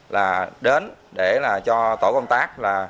là đến để cho tội công tác